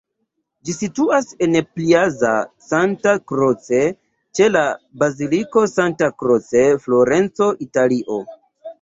Ĝi situas en la Piazza Santa Croce, ĉe la Baziliko Santa Croce, Florenco, Italio.